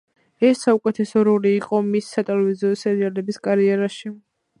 ეს საუკეთესო როლი იყო მის სატელევიზიო სერიალების კარიერაში.